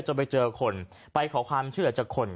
ไปเจอคนไปขอความเชื่อจากคน